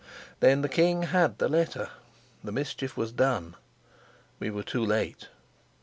Then the king had the letter; the mischief was done. We were too late.